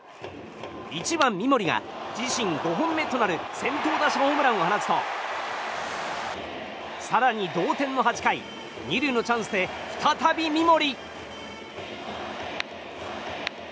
１番、三森が自身５本目となる先頭打者ホームランを放つと更に同点の８回２塁のチャンスで再び三森。